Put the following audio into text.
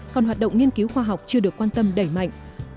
còn hoạt động nghiên cứu khoa học chưa được quan tâm đẩy mạnh